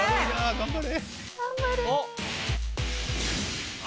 頑張れ！